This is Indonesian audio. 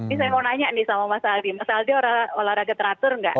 ini saya mau nanya nih sama mas aldi mas aldi olahraga teratur nggak